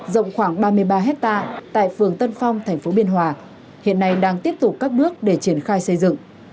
rộng khoảng ba mươi ba hectare tại phường tân phong tp biên hòa hiện nay đang tiếp tục các bước để triển khai xây dựng